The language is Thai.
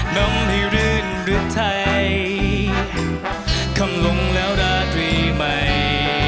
น้องให้รื่นเรือนไทยคำลงแล้วราตรีใหม่